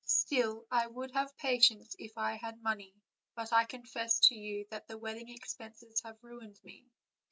Still, I would have patience if I had money; but I confess to you thab the wedding expenses have ruined me.